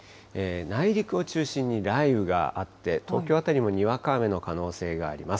内陸を中心に雷雨があって、東京辺りもにわか雨の可能性があります。